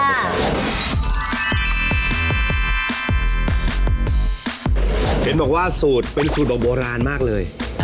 เห็นบอกว่าสูตรเป็นสูตรแบบโบราณมากเลย